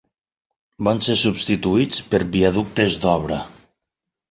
Van ser substituïts per viaductes d'obra.